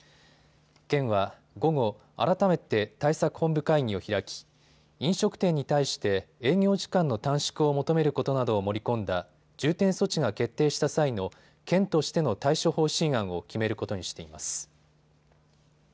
県は午後、改めて対策本部会議を開き飲食店に対して営業時間の短縮を求めることなどを盛り込んだ重点措置が決定した際の県としての対処方針案を決めることにしています。